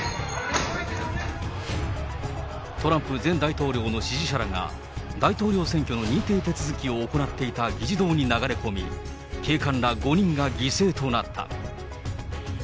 トランプ前大統領の支持者らが、大統領選挙の認定手続きを行っていた議事堂に流れ込み、警官ら５人が犠牲となった。